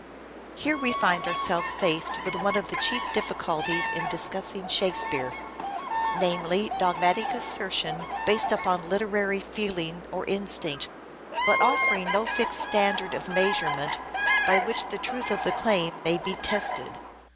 Here we find ourselves faced with one of the chief difficulties in discussing Shakespeare: namely, dogmatic assertion based upon literary feeling or instinct, but offering no fixed standard of measure ment by which the truth of the claim may be tested.